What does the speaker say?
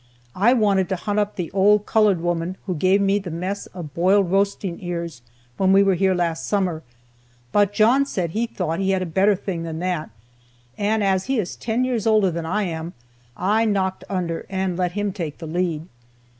I wanted to hunt up the old colored woman who gave me the mess of boiled roasting ears when we were here last summer, but John said he thought he had a better thing than that, and as he is ten years older than I am, I knocked under and let him take the lead.